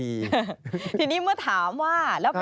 ยอมรับว่าการตรวจสอบเพียงเลขอยไม่สามารถทราบได้ว่าเป็นผลิตภัณฑ์ปลอม